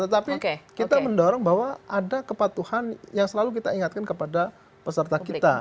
tetapi kita mendorong bahwa ada kepatuhan yang selalu kita ingatkan kepada peserta kita